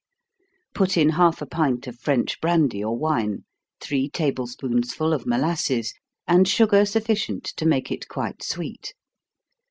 Put in half a pint of French brandy or wine, three table spoonsful of molasses, and sugar sufficient to make it quite sweet.